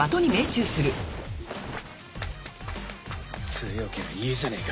強けりゃいいじゃねえか。